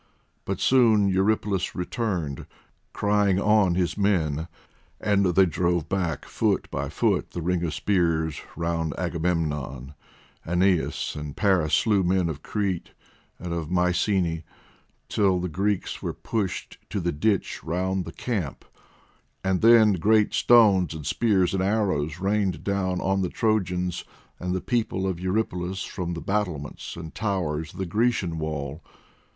But soon Eurypylus returned, crying on his men, and they drove back foot by foot the ring of spears round Agamemnon, and Aeneas and Paris slew men of Crete and of Mycenae till the Greeks were pushed to the ditch round the camp; and then great stones and spears and arrows rained down on the Trojans and the people of Eurypylus from the battlements and towers of the Grecian wall.